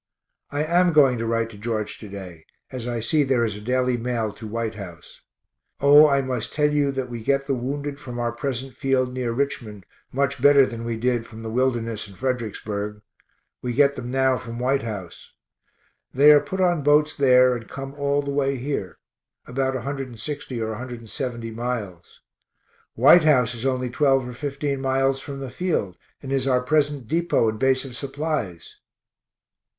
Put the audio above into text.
I am going to write to George to day, as I see there is a daily mail to White House. O, I must tell you that we get the wounded from our present field near Richmond much better than we did from the Wilderness and Fredericksburg. We get them now from White House. They are put on boats there, and come all the way here, about 160 or 170 miles. White House is only twelve or fifteen miles from the field, and is our present depot and base of supplies.